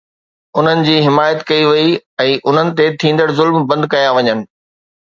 انهن جي حمايت ڪئي وڃي ۽ انهن تي ٿيندڙ ظلم بند ڪيا وڃن.